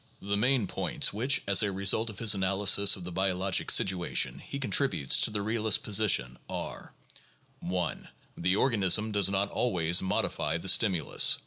The main points which, as a result of his analysis of the biologic situation, he contributes to the realist position are : 1. The organism does not always modify the stimulus.